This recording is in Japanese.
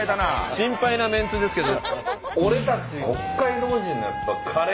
心配なメンツですけど。